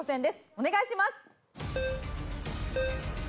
お願いします！